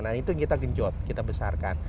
nah itu yang kita genjot kita besarkan